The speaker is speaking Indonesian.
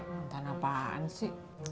mantan apaan sih